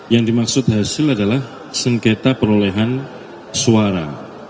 yang dimaksud hasil adalah sengketa perolehan suara